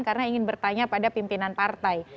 karena ingin bertanya pada pimpinan partai